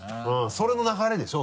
それの流れでしょ？